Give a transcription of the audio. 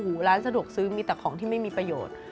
ร้านสะดวกซื้อมีแต่ของที่ไม่มีประโยชน์